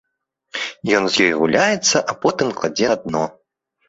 Ён з ёй гуляецца, а потым кладзе на дно.